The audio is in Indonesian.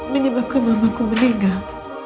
menyebabkan mamaku meninggal